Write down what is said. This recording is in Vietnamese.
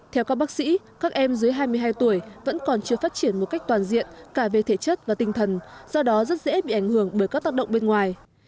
theo các bác sĩ các em dưới hai mươi hai tuổi vẫn còn chưa phát triển một cách toàn diện cả về thể chất và tinh thần do đó rất dễ bị ảnh hưởng bởi các tác động bên ngoài